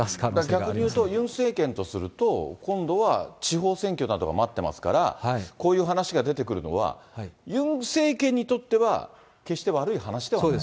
逆にいうと、ユン政権とすると、今度は地方選挙などが待ってますから、こういう話が出てくるのは、ユン政権にとっては決して悪い話ではない。